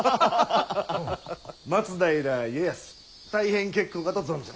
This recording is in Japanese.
「松平家康」大変結構かと存じまする。